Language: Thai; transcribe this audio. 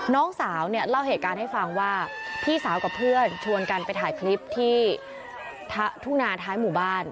น้องสาวเนี่ยเล่าเหตุการณ์ให้ฟังว่าพี่สาวกับเพื่อนชวนกันไปถ่ายคลิปที่ทุ่งนาท้ายหมู่บ้าน